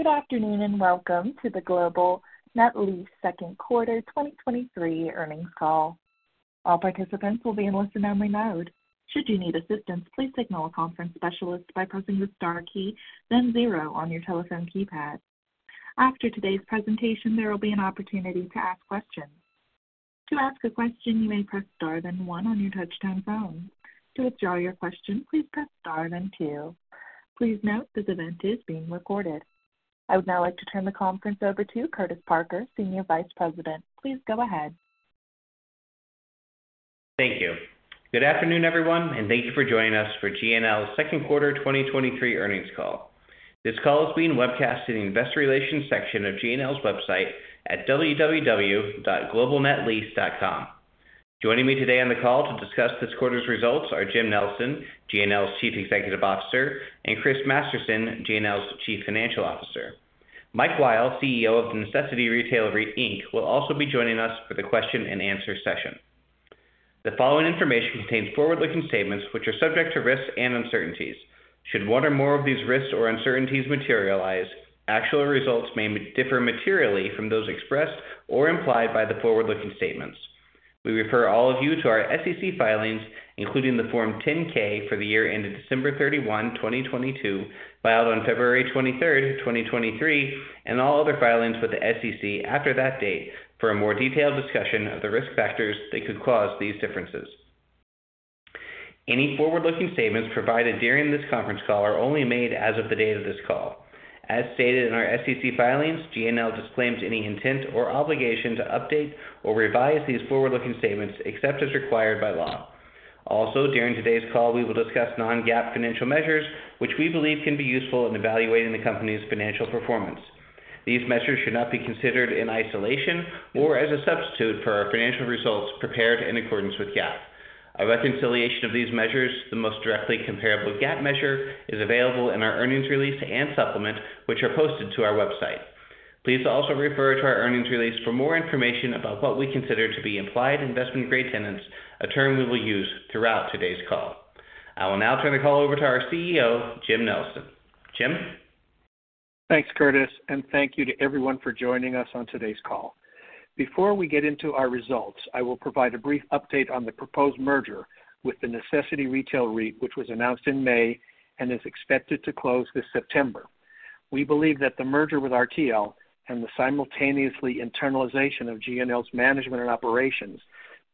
Good afternoon, and welcome to the Global Net Lease Second Quarter 2023 Earnings Call. All participants will be in listen-only mode. Should you need assistance, please signal a conference specialist by pressing the star key, then zero on your telephone keypad. After today's presentation, there will be an opportunity to ask questions. To ask a question, you may press star then one on your touch-tone phone. To withdraw your question, please press star then two. Please note this event is being recorded. I would now like to turn the conference over to Curtis Parker, Senior Vice President. Please go ahead. Thank you. Good afternoon, everyone, and thank you for joining us for GNL's second quarter 2023 earnings call. This call is being webcast in the Investor Relations section of GNL's website at www.globalnetlease.com. Joining me today on the call to discuss this quarter's results are Jim Nelson, GNL's Chief Executive Officer, and Chris Masterson, GNL's Chief Financial Officer. Mike Weil, CEO of The Necessity Retail REIT Inc, will also be joining us for the question and answer session. The following information contains forward-looking statements which are subject to risks and uncertainties. Should one or more of these risks or uncertainties materialize, actual results may differ materially from those expressed or implied by the forward-looking statements. We refer all of you to our SEC filings, including the Form 10-K for the year ended December 31, 2022, filed on February 23, 2023, and all other filings with the SEC after that date for a more detailed discussion of the risk factors that could cause these differences. Any forward-looking statements provided during this conference call are only made as of the date of this call. As stated in our SEC filings, GNL disclaims any intent or obligation to update or revise these forward-looking statements except as required by law. Also, during today's call, we will discuss non-GAAP financial measures, which we believe can be useful in evaluating the company's financial performance. These measures should not be considered in isolation or as a substitute for our financial results prepared in accordance with GAAP. A reconciliation of these measures, the most directly comparable GAAP measure, is available in our earnings release and supplement, which are posted to our website. Please also refer to our earnings release for more information about what we consider to be implied investment-grade tenants, a term we will use throughout today's call. I will now turn the call over to our CEO, Jim Nelson. Jim? Thanks, Curtis. Thank you to everyone for joining us on today's call. Before we get into our results, I will provide a brief update on the proposed merger with The Necessity Retail REIT, which was announced in May and is expected to close this September. We believe that the merger with RTL and the simultaneously internalization of GNL's management and operations,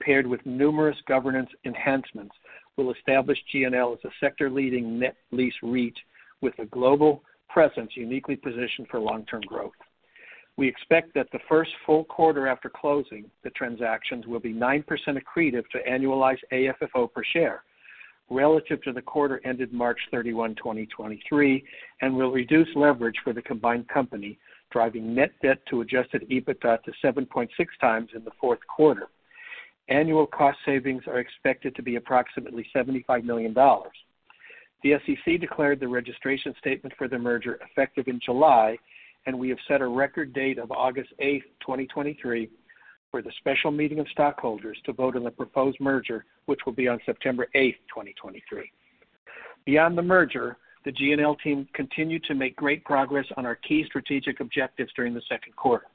paired with numerous governance enhancements, will establish GNL as a sector-leading net lease REIT with a global presence uniquely positioned for long-term growth. We expect that the first full quarter after closing the transactions will be 9% accretive to annualized AFFO per share relative to the quarter ended March 31, 2023, will reduce leverage for the combined company, driving net debt to adjusted EBITDA to 7.6x in the fourth quarter. Annual cost savings are expected to be approximately $75 million. The SEC declared the registration statement for the merger effective in July, and we have set a record date of August 8, 2023, for the special meeting of stockholders to vote on the proposed merger, which will be on September 8, 2023. Beyond the merger, the GNL team continued to make great progress on our key strategic objectives during the second quarter.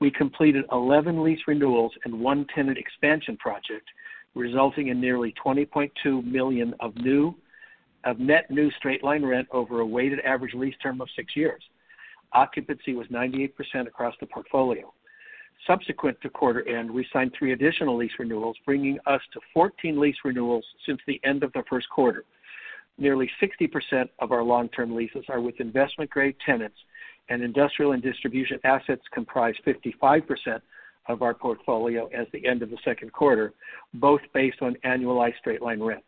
We completed 11 lease renewals and one tenant expansion project, resulting in nearly $20.2 million of net new straight-line rent over a weighted average lease term of six years. Occupancy was 98% across the portfolio. Subsequent to quarter end, we signed three additional lease renewals, bringing us to 14 lease renewals since the end of the first quarter. Nearly 60% of our long-term leases are with investment-grade tenants, and industrial and distribution assets comprise 55% of our portfolio as the end of the 2Q, both based on annualized straight-line rent.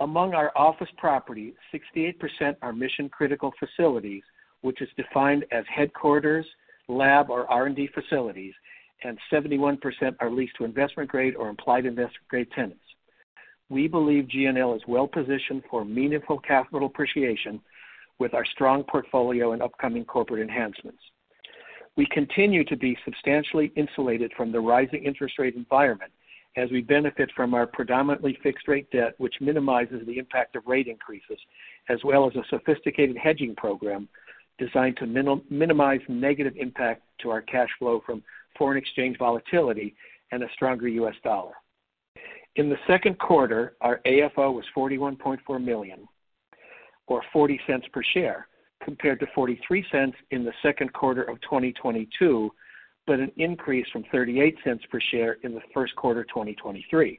Among our office properties, 68% are mission-critical facilities, which is defined as headquarters, lab, or R&D facilities, and 71% are leased to investment-grade or implied investment-grade tenants. We believe GNL is well positioned for meaningful capital appreciation with our strong portfolio and upcoming corporate enhancements. We continue to be substantially insulated from the rising interest rate environment as we benefit from our predominantly fixed rate debt, which minimizes the impact of rate increases, as well as a sophisticated hedging program designed to minimize negative impact to our cash flow from foreign exchange volatility and a stronger US dollar. In the second quarter, our AFFO was $41.4 million or $0.40 per share, compared to $0.43 in the second quarter of 2022, an increase from $0.38 per share in the first quarter 2023.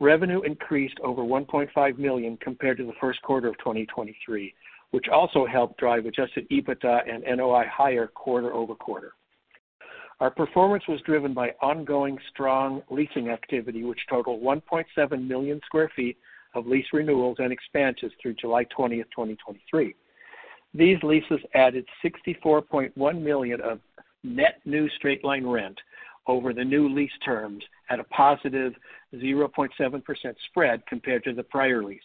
Revenue increased over $1.5 million compared to the first quarter of 2023, which also helped drive adjusted EBITDA and NOI higher quarter-over-quarter. Our performance was driven by ongoing strong leasing activity, which totaled 1.7 million sq ft of lease renewals and expansions through July 20th, 2023. These leases added $64.1 million of net new straight-line rent over the new lease terms at a +0.7% spread compared to the prior leases.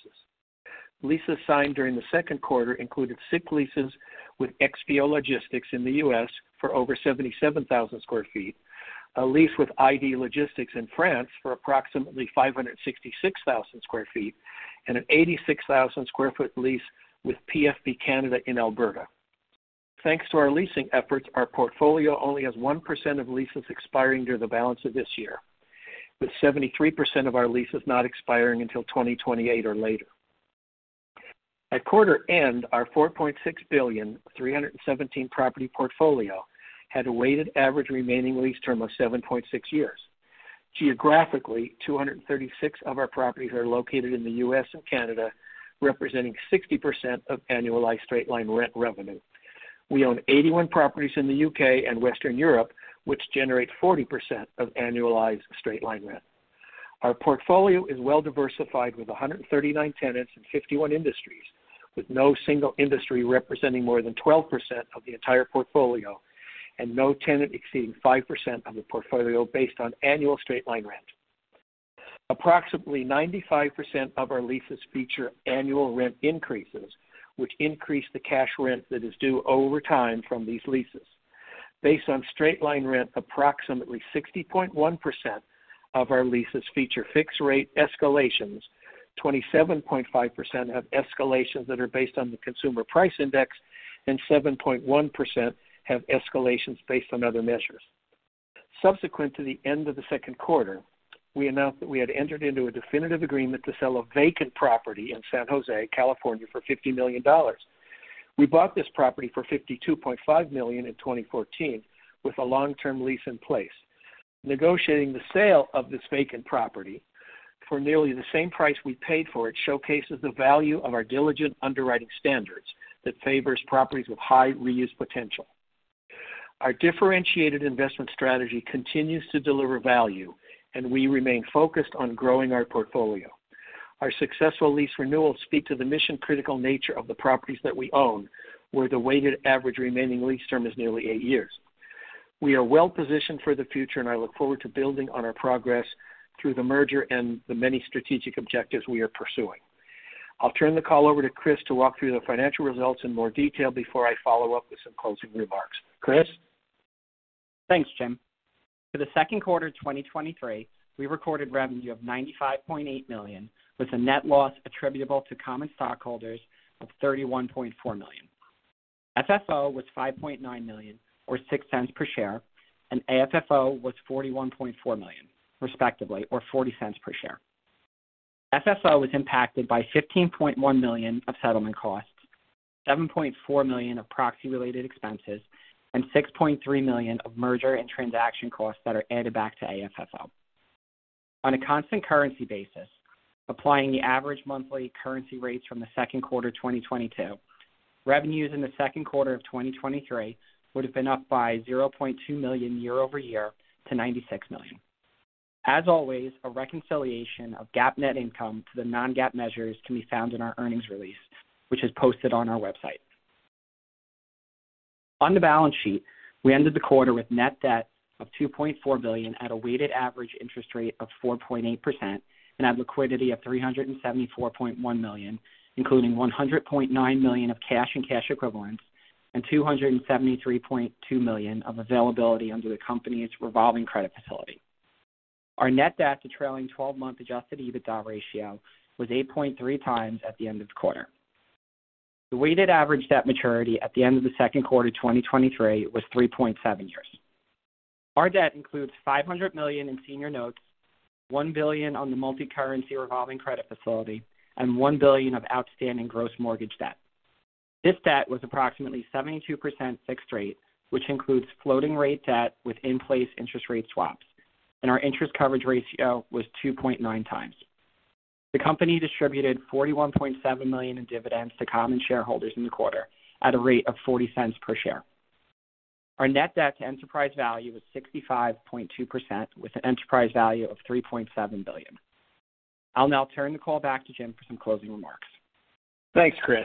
Leases signed during the second quarter included SIK leases with XPO Logistics in the U.S. for over 77,000 sq ft. a lease with ID Logistics in France for approximately 566,000 sq ft, and an 86,000 sq ft lease with PFB Canada in Alberta. Thanks to our leasing efforts, our portfolio only has 1% of leases expiring during the balance of this year, with 73% of our leases not expiring until 2028 or later. At quarter end, our $4.6 billion, 317 property portfolio had a weighted average remaining lease term of 7.6 years. Geographically, 236 of our properties are located in the U.S. and Canada, representing 60% of annualized straight-line rent revenue. We own 81 properties in the U.K. and Western Europe, which generate 40% of annualized straight-line rent. Our portfolio is well diversified with 139 tenants in 51 industries, with no single industry representing more than 12% of the entire portfolio and no tenant exceeding 5% of the portfolio based on annual straight-line rent. Approximately 95% of our leases feature annual rent increases, which increase the cash rent that is due over time from these leases. Based on straight-line rent, approximately 60.1% of our leases feature fixed rate escalations, 27.5% have escalations that are based on the Consumer Price Index, and 7.1% have escalations based on other measures. Subsequent to the end of the second quarter, we announced that we had entered into a definitive agreement to sell a vacant property in San Jose, California, for $50 million. We bought this property for $52.5 million in 2014, with a long-term lease in place. Negotiating the sale of this vacant property for nearly the same price we paid for it, showcases the value of our diligent underwriting standards that favors properties with high reuse potential. Our differentiated investment strategy continues to deliver value, and we remain focused on growing our portfolio. Our successful lease renewals speak to the mission-critical nature of the properties that we own, where the weighted average remaining lease term is nearly eight years. We are well positioned for the future, and I look forward to building on our progress through the merger and the many strategic objectives we are pursuing. I'll turn the call over to Chris to walk through the financial results in more detail before I follow up with some closing remarks. Chris? Thanks, Jim. For the second quarter of 2023, we recorded revenue of $95.8 million, with a net loss attributable to common stockholders of $31.4 million. FFO was $5.9 million, or $0.06 per share, and AFFO was $41.4 million, respectively, or $0.40 per share. FFO was impacted by $15.1 million of settlement costs, $7.4 million of proxy-related expenses, and $6.3 million of merger and transaction costs that are added back to AFFO. On a constant currency basis, applying the average monthly currency rates from the second quarter 2022, revenues in the second quarter of 2023 would have been up by $0.2 million year-over-year to $96 million. As always, a reconciliation of GAAP net income to the non-GAAP measures can be found in our earnings release, which is posted on our website. On the balance sheet, we ended the quarter with net debt of $2.4 billion, at a weighted average interest rate of 4.8% and had liquidity of $374.1 million, including $100.9 million of cash and cash equivalents and $273.2 million of availability under the company's revolving credit facility. Our net debt to trailing 12-month adjusted EBITDA ratio was 8.3x at the end of the quarter. The weighted average debt maturity at the end of the second quarter, 2023, was 3.7 years. Our debt includes $500 million in senior notes, $1 billion on the multicurrency revolving credit facility, and $1 billion of outstanding gross mortgage debt. This debt was approximately 72% fixed rate, which includes floating rate debt with in-place interest rate swaps, and our interest coverage ratio was 2.9x. The company distributed $41.7 million in dividends to common shareholders in the quarter at a rate of $0.40 per share. Our net debt to enterprise value is 65.2%, with an enterprise value of $3.7 billion. I'll now turn the call back to Jim for some closing remarks. Thanks, Chris.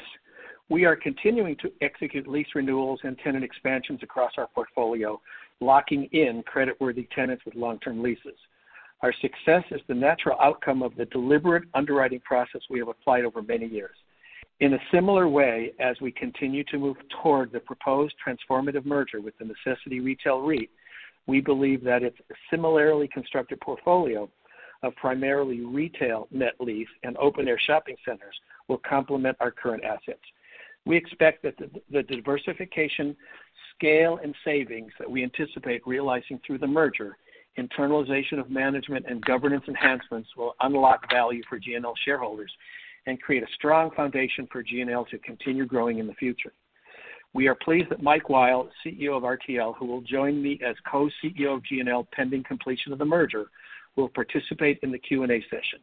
We are continuing to execute lease renewals and tenant expansions across our portfolio, locking in creditworthy tenants with long-term leases. Our success is the natural outcome of the deliberate underwriting process we have applied over many years. In a similar way, as we continue to move toward the proposed transformative merger with The Necessity Retail REIT, we believe that its similarly constructed portfolio of primarily retail net lease and open-air shopping centers will complement our current assets. We expect that the diversification, scale, and savings that we anticipate realizing through the merger, internalization of management and governance enhancements, will unlock value for GNL shareholders and create a strong foundation for GNL to continue growing in the future. We are pleased that Mike Weil, CEO of RTL, who will join me as co-CEO of GNL, pending completion of the merger, will participate in the Q&A session.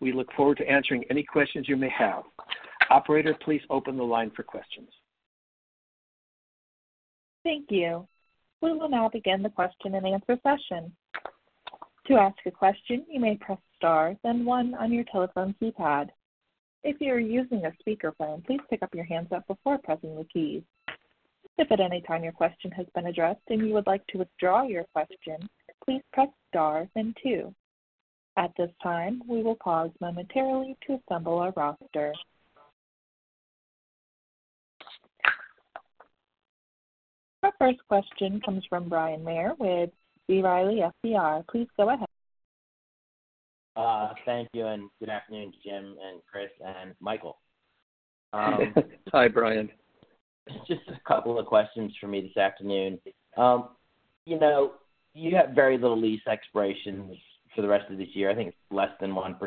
We look forward to answering any questions you may have. Operator, please open the line for questions. Thank you. We will now begin the question-and-answer session. To ask a question, you may press star, then one on your telephone keypad. If you are using a speakerphone, please pick up your handset before pressing the keys. If at any time your question has been addressed and you would like to withdraw your question, please press star then two. At this time, we will pause momentarily to assemble a roster. Our first question comes from Bryan Maher with B. Riley FBR. Please go ahead. Thank you, and good afternoon to Jim and Chris and Michael. Hi, Brian. Just a couple of questions for me this afternoon. you know, you have very little lease expirations for the rest of this year. I think it's less than 1%,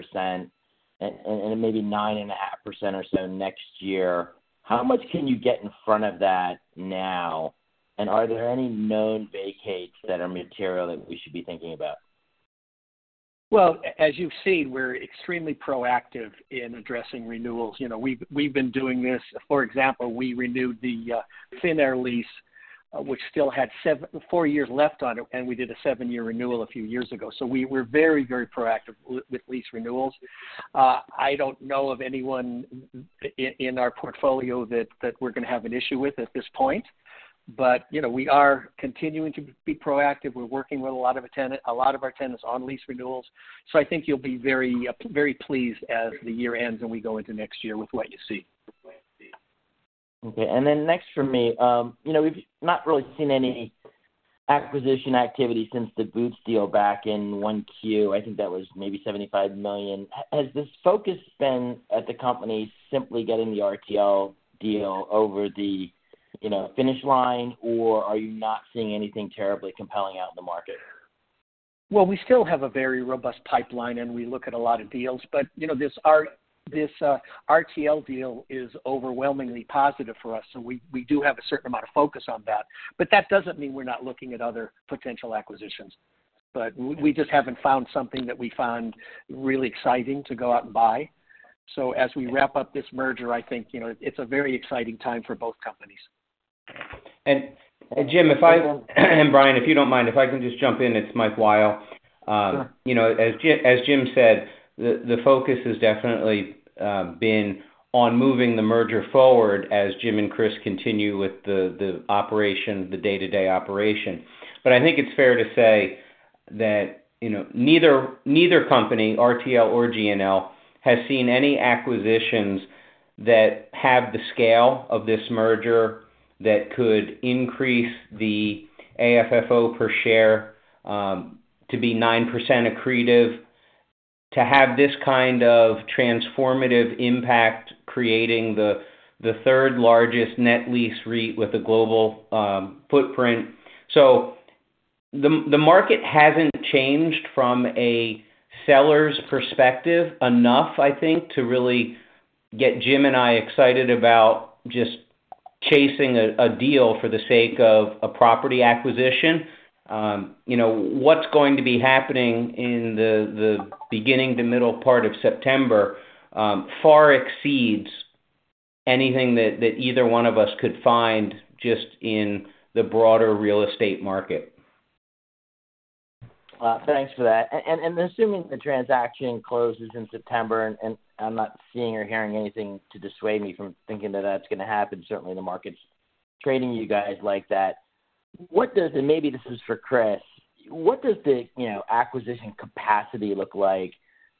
and maybe 9.5% or so next year. How much can you get in front of that now? Are there any known vacates that are material that we should be thinking about? As you've seen, we're extremely proactive in addressing renewals. You know, we've been doing this. For example, we renewed the Finnair lease, which still had four years left on it, and we did a seven-year renewal a few years ago. We're very, very proactive with lease renewals. I don't know of anyone in our portfolio that we're gonna have an issue with at this point. You know, we are continuing to be proactive. We're working with a lot of our tenants on lease renewals, I think you'll be very, very pleased as the year ends and we go into next year with what you see. Okay. Then next for me, you know, we've not really seen any acquisition activity since the Boots deal back in 1Q. I think that was maybe $75 million. Has this focus been at the company, simply getting the RTL deal over the, you know, finish line, or are you not seeing anything terribly compelling out in the market? We still have a very robust pipeline, and we look at a lot of deals. You know, this RTL deal is overwhelmingly positive for us, so we, we do have a certain amount of focus on that. That doesn't mean we're not looking at other potential acquisitions. We just haven't found something that we find really exciting to go out and buy. As we wrap up this merger, I think, you know, it's a very exciting time for both companies. Jim, if I- and Bryan, if you don't mind, if I can just jump in, it's Mike Weil. You know, as Jim said, the focus has definitely been on moving the merger forward as Jim and Chris continue with the operation, the day-to-day operation. I think it's fair to say that, you know, neither, neither company, RTL or GNL, has seen any acquisitions that have the scale of this merger that could increase the AFFO per share to be 9% accretive, to have this kind of transformative impact, creating the third largest net lease REIT with a global footprint. The market hasn't changed from a seller's perspective enough, I think, to really get Jim and I excited about just chasing a deal for the sake of a property acquisition. You know, what's going to be happening in the, the beginning, the middle part of September, far exceeds anything that, that either one of us could find just in the broader real estate market. Thanks for that. And, and assuming the transaction closes in September, and, and I'm not seeing or hearing anything to dissuade me from thinking that that's gonna happen, certainly the market's trading you guys like that. What does... And maybe this is for Chris. What does the, you know, acquisition capacity look like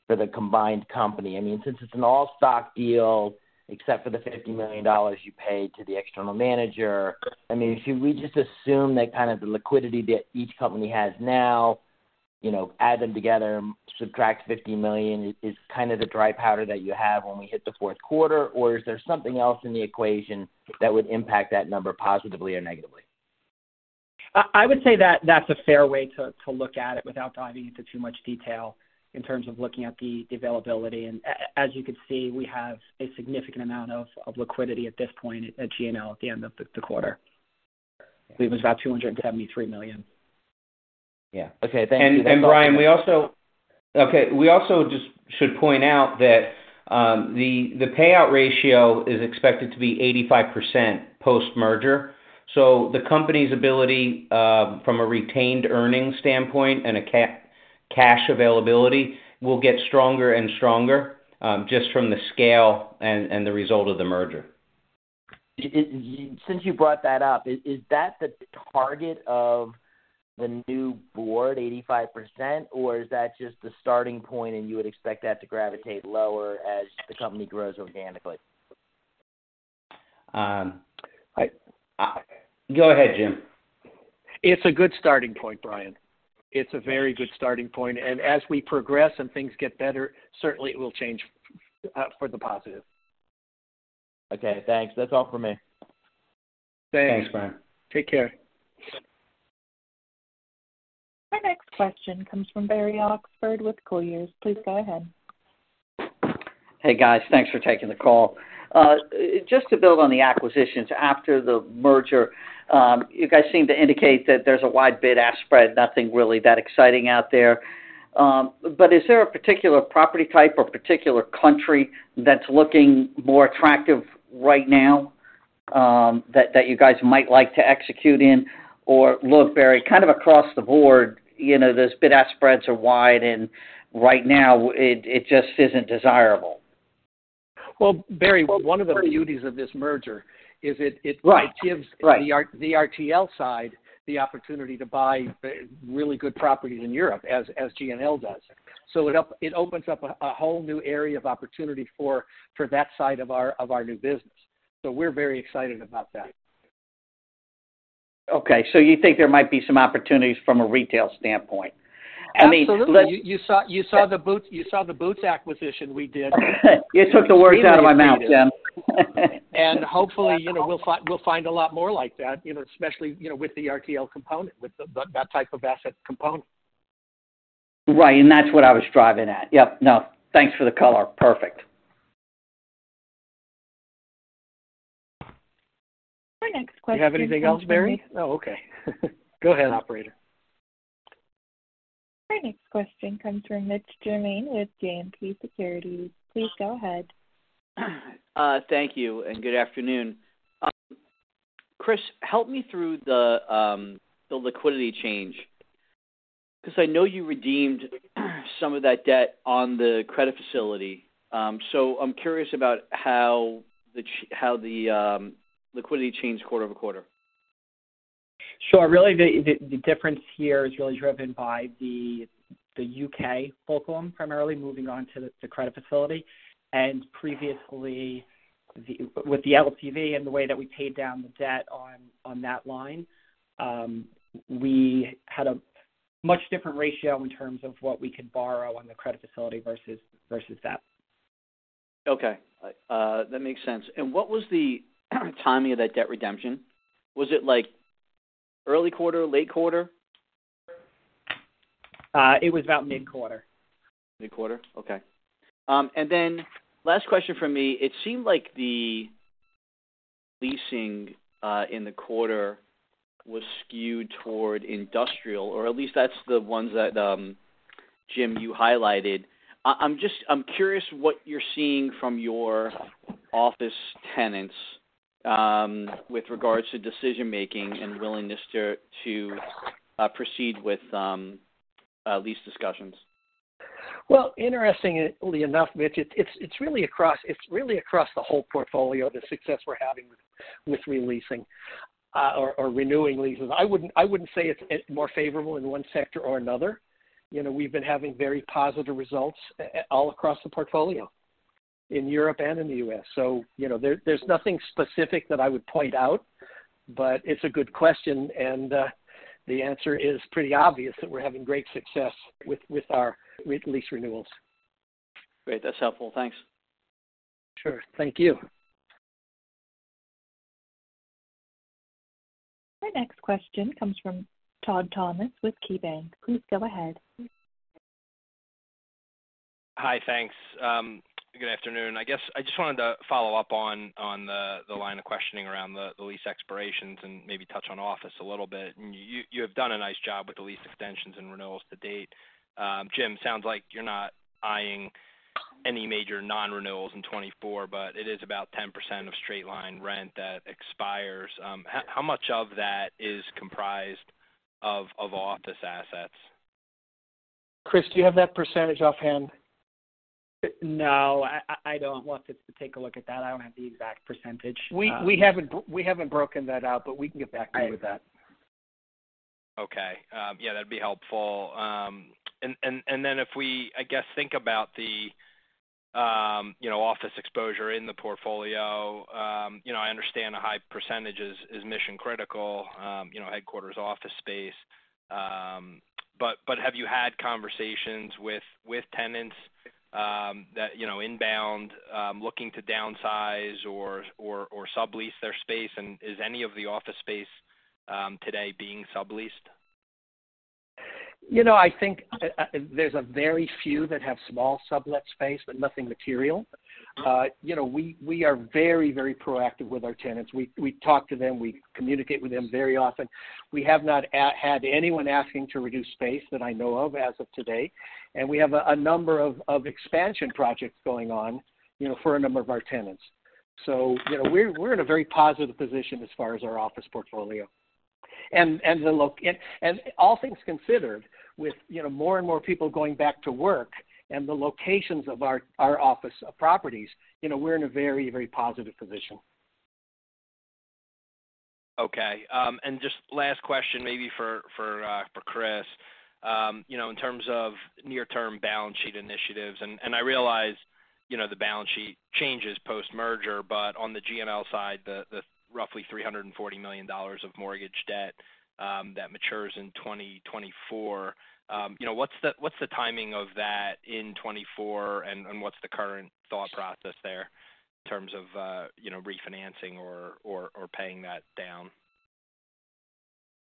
for the combined company? I mean, since it's an all-stock deal, except for the $50 million you paid to the external manager, I mean, should we just assume that kind of the liquidity that each company has now, you know, add them together, subtract $50 million is kind of the dry powder that you have when we hit the fourth quarter? Or is there something else in the equation that would impact that number positively or negatively? I would say that that's a fair way to, to look at it without diving into too much detail in terms of looking at the, the availability. As you can see, we have a significant amount of, of liquidity at this point at GNL at the end of the, the quarter. I believe it was about $273 million. Yeah. Okay, thank you. Bryan, we also just should point out that the payout ratio is expected to be 85% post-merger. The company's ability, from a retained earnings standpoint and cash availability, will get stronger and stronger, just from the scale and the result of the merger. Since you brought that up, is, is that the target of the new board, 85%? Or is that just the starting point, and you would expect that to gravitate lower as the company grows organically? Go ahead, Jim. It's a good starting point, Bryan. It's a very good starting point, and as we progress and things get better, certainly it will change for the positive. Okay, thanks. That's all for me. Thanks, Brian. Take care. Our next question comes from Barry Oxford with Colliers. Please go ahead. Hey, guys. Thanks for taking the call. Just to build on the acquisitions after the merger, you guys seem to indicate that there's a wide bid-ask spread, nothing really that exciting out there. Is there a particular property type or particular country that's looking more attractive right now, that, that you guys might like to execute in? Or look, Barry, kind of across the board, you know, those bid-ask spreads are wide, and right now, it just isn't desirable. Well, Barry, one of the beauties of this merger is it, it gives the RTL side, the opportunity to buy, really good properties in Europe as GNL does. It opens up a whole new area of opportunity for that side of our new business. We're very excited about that. Okay, you think there might be some opportunities from a retail standpoint? I mean. Absolutely. You, you saw, you saw the Boots, you saw the Boots acquisition we did. You took the words out of my mouth, Jim. Hopefully, you know, we'll find, we'll find a lot more like that, you know, especially, you know, with the RTL component, with the, that type of asset component. Right. That's what I was driving at. Yep, no, thanks for the color. Perfect. Our next question— Do you have anything else, Barry? Oh, okay. Go ahead, operator. Our next question comes from Mitch Germain with JMP Securities. Please go ahead. Thank you, good afternoon. Chris, help me through the liquidity change, because I know you redeemed, some of that debt on the credit facility. I'm curious about how the liquidity changed quarter-over-quarter. Sure. Really, the difference here is really driven by the U.K. fulcrum, primarily moving on to the credit facility. Previously, with the LTV and the way that we paid down the debt on, on that line, we had a much different ratio in terms of what we could borrow on the credit facility versus, versus that. Okay. That makes sense. What was the timing of that debt redemption? Was it like early quarter, late quarter? It was about mid-quarter. Mid-quarter? Okay. Last question from me. It seemed like the leasing in the quarter was skewed toward industrial, or at least that's the ones that Jim, you highlighted. I'm curious what you're seeing from your office tenants, with regards to decision-making and willingness to, to proceed with lease discussions. Well, interestingly enough, Mitch, it's, it's really across, it's really across the whole portfolio, the success we're having with, with re-leasing, or, or renewing leases. I wouldn't, I wouldn't say it's, it's more favorable in one sector or another. You know, we've been having very positive results all across the portfolio, in Europe and in the U.S. You know, there, there's nothing specific that I would point out, but it's a good question, and the answer is pretty obvious, that we're having great success with, with our re-lease renewals. Great. That's helpful. Thanks. Sure. Thank you. Our next question comes from Todd Thomas with KeyBanc. Please go ahead. Hi, thanks. Good afternoon. I guess I just wanted to follow up on, on the, the line of questioning around the, the lease expirations and maybe touch on office a little bit. You, you have done a nice job with the lease extensions and renewals to date. Jim, sounds like you're not eyeing any major non-renewals in 2024, but it is about 10% of straight-line rent that expires. How, how much of that is comprised of, of office assets? Chris, do you have that percentage offhand? No, I, I, I don't. We'll have to take a look at that. I don't have the exact percentage. We haven't broken that out, but we can get back to you with that. Okay. Yeah, that'd be helpful. Then if we, I guess, think about the, you know, office exposure in the portfolio, you know, I understand a high percentage is, is mission critical, you know, headquarters office space. Have you had conversations with, with tenants, that, you know, inbound looking to downsize or sublease their space? Is any of the office space today being subleased? You know, I think, there's a very few that have small sublet space, but nothing material. You know, we, we are very, very proactive with our tenants. We, we talk to them, we communicate with them very often. We have not had anyone asking to reduce space that I know of as of today, and we have a, a number of, of expansion projects going on, you know, for a number of our tenants. You know, we're, we're in a very positive position as far as our office portfolio. And the loc-- and, and all things considered, with, you know, more and more people going back to work and the locations of our, our office properties, you know, we're in a very, very positive position. Okay. And just last question, maybe for, for Chris. You know, in terms of near-term balance sheet initiatives, and, and I realize, you know, the balance sheet changes post-merger, but on the GNL side, the, the roughly $340 million of mortgage debt, that matures in 2024, you know, what's the, what's the timing of that in 2024? What's the current thought process there in terms of, you know, refinancing or, or, or paying that down?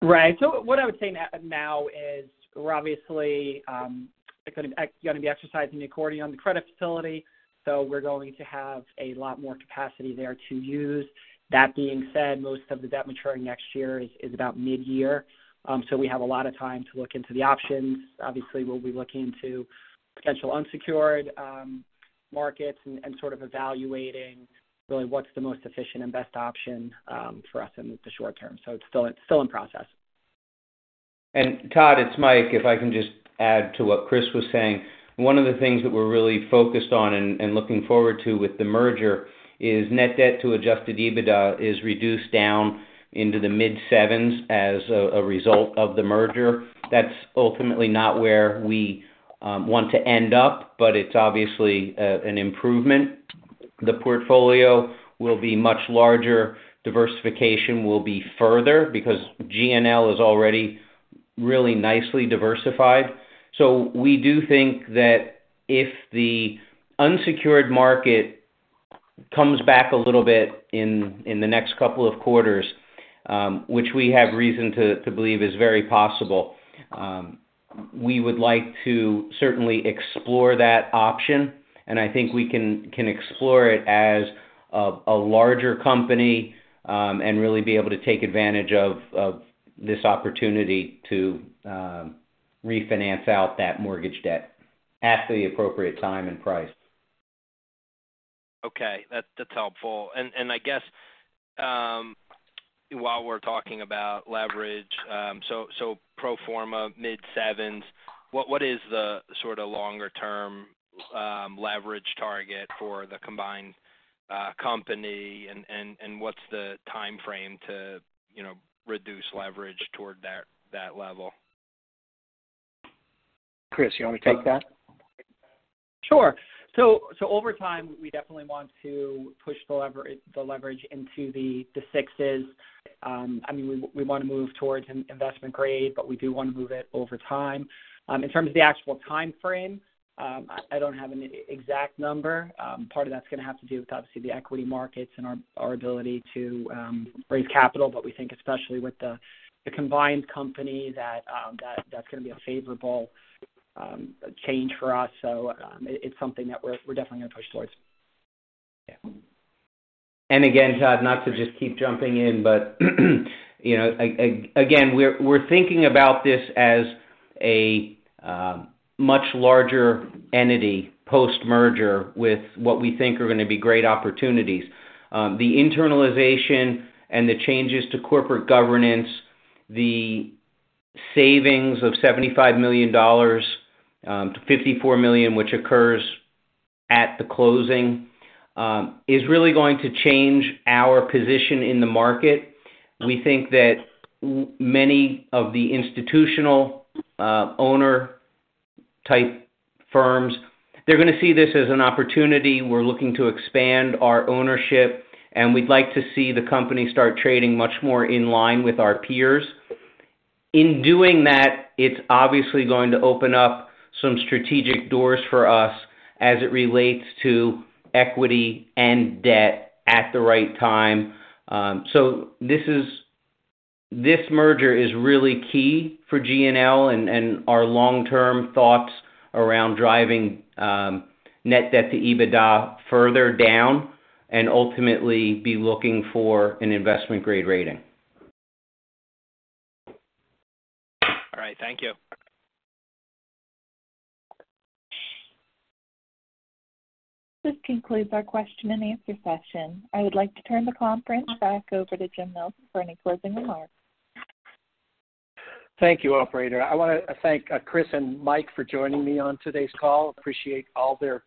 Right. What I would say now is we're obviously gonna gonna be exercising the accordion on the credit facility, so we're going to have a lot more capacity there to use. That being said, most of the debt maturing next year is, is about mid-year. We have a lot of time to look into the options. Obviously, we'll be looking into potential unsecured markets and, and sort of evaluating really what's the most efficient and best option for us in the short term. It's still, it's still in process. Todd, it's Mike. If I can just add to what Chris was saying. One of the things that we're really focused on and, and looking forward to with the merger is net debt to adjusted EBITDA is reduced down into the mid-7s as a, a result of the merger. That's ultimately not where we want to end up, but it's obviously an improvement. The portfolio will be much larger. Diversification will be further because GNL is already really nicely diversified. We do think that if the unsecured market comes back a little bit in, in the next couple of quarters, which we have reason to, to believe is very possible, we would like to certainly explore that option. I think we can, can explore it as a, a larger company, and really be able to take advantage of, of this opportunity to refinance out that mortgage debt at the appropriate time and price. Okay, that's, that's helpful. I guess, while we're talking about leverage, so pro forma mid-7s, what is the sort of longer term leverage target for the combined company? What's the timeframe to, you know, reduce leverage toward that level? Chris, you want to take that? Sure. So over time, we definitely want to push the leverage into the, the 6s. I mean, we, we wanna move towards investment grade, but we do wanna move it over time. In terms of the actual timeframe, I, I don't have an exact number. Part of that's gonna have to do with obviously the equity markets and our, our ability to raise capital, but we think especially with the, the combined company, that, that's gonna be a favorable change for us. It's something that we're, we're definitely gonna push towards. Yeah. Again, Todd, not to just keep jumping in, but, you know, again, we're, we're thinking about this as a much larger entity post-merger with what we think are gonna be great opportunities. The internalization and the changes to corporate governance, the savings of $75 million to $54 million, which occurs at the closing, is really going to change our position in the market. We think that many of the institutional, owner-type firms, they're gonna see this as an opportunity. We're looking to expand our ownership, and we'd like to see the company start trading much more in line with our peers. In doing that, it's obviously going to open up some strategic doors for us as it relates to equity and debt at the right time. This merger is really key for GNL and, and our long-term thoughts around driving, net debt to EBITDA further down, and ultimately be looking for an investment-grade rating. All right. Thank you. This concludes our question and answer session. I would like to turn the conference back over to Jim Nelson for any closing remarks. Thank you, operator. I wanna thank, Chris and Mike for joining me on today's call. Appreciate all their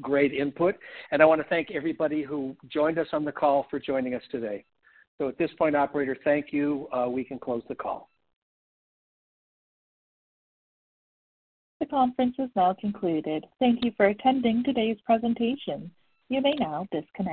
great input, and I wanna thank everybody who joined us on the call for joining us today. At this point, operator, thank you. We can close the call. The conference is now concluded. Thank you for attending today's presentation. You may now disconnect.